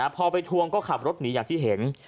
พอไปทวงก็ขับรถหนีอย่างที่เห็น